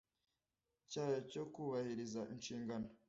cyayo cyo kubahiriza inshingano